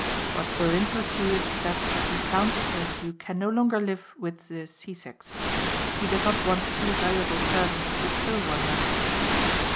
What will interest you is that the count says you can no longer live with the Sisseks. He does not want two valuable servants to kill one another.